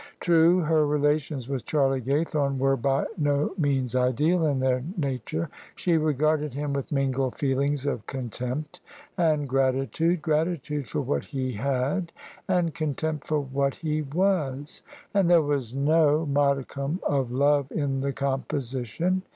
True, her relations with Charlie Gaythorne were by no means ideal in their nature. She regarded him with mingled feelings of contempt and gratitude — gratitude for what he had, and contempt for what he was; and there was no modi [i66] THE SUBJECTION OF ISABEL CARNABY cum of love in the composition.